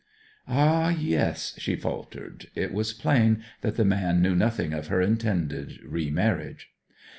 'Ah, yes,' she faltered. It was plain that the man knew nothing of her intended re marriage.